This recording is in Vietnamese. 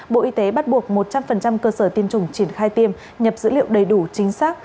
bộ y tế bắt buộc một trăm linh cơ sở tiêm chủng triển khai tiêm nhập dữ liệu đầy đủ chính xác